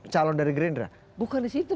calon dari gerindra bukan disitu